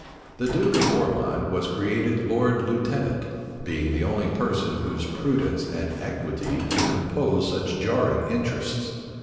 The duke of Ormond was created lord lieutenant; being the only person whose prudence and equity could compose such jarring interests.